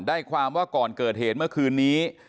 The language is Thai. ได้ความว่าก่อนเกิดเหตุเมื่อคืนนี้